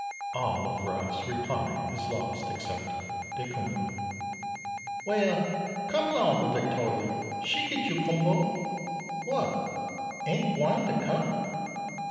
All of Ralph's reply is lost except "daykumboa." "Well, come 'long wi' Victoria she git you kumboa. What, ain't gwine to come?